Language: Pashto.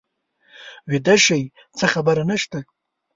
ویده شئ څه خبره نه شته.